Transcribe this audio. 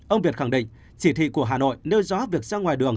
ông việt khẳng định chỉ thị của hà nội nêu rõ việc ra ngoài đường